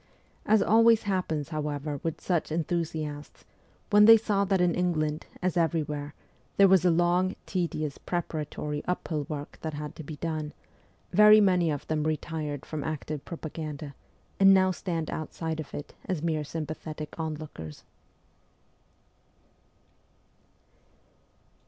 As always happens however with such enthusiasts, when they saw that in England, as everywhere, there was a long, tedious, pre paratory, uphill work that had to be done, very many of them retired from active propaganda, and now stand outside of it as mere sympathetic onlookers.